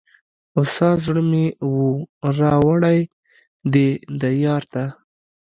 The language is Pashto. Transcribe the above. هوسا زړه مي وو را وړﺉ دې دیار ته